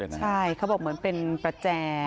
ใช่เขาบอกเลยเป็นแป๋แจ